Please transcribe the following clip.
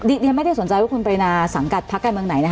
ดิฉันไม่ได้สนใจว่าคุณปริณาสังกัดภักดิ์ใกล้เมืองไหน